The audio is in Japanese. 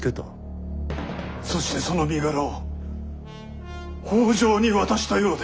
そしてその身柄を北条に渡したようで。